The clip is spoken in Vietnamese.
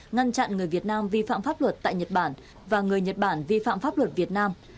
ngăn chặn người việt nam vi phạm pháp luật tại nhật bản và người nhật bản vi phạm pháp luật việt nam